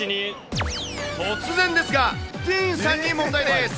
突然ですが、ディーンさんに問題です。